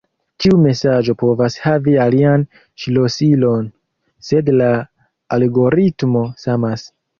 Ĉiu mesaĝo povas havi alian ŝlosilon, sed la algoritmo samas.